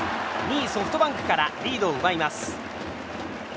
２位ソフトバンクからリードを奪います。